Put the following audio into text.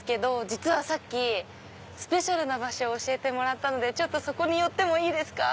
実はさっきスペシャルな場所を教えてもらったのでそこに寄ってもいいですか？